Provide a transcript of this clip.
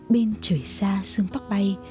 bên trời xa sương phát bay